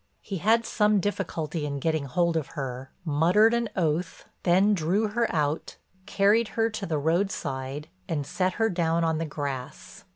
He had some difficulty in getting hold of her, muttered an oath, then drew her out, carried her to the roadside and set her down on the grass.